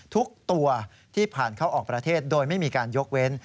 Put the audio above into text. ทุกตัวที่ผ่านเข้าออกประเทศโดยไม่มีการยกเว้น